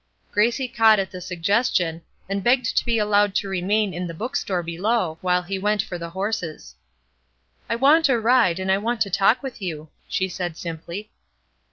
Gracie caught at the suggestion, and begged to be allowed to remain in the bookstore below while he went for the horses. "I want a ride, and I want to talk with you," she said, simply.